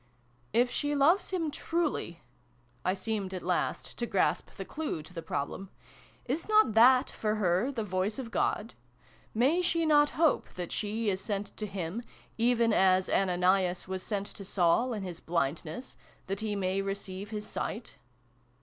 "If she loves him truly," (I seemed at last to grasp the clue to the problem) " is not that, for her, the voice of God ? May she not hope that she is sent to him, even as Ananias was sent to Saul in his blindness, that he may re ceive his sight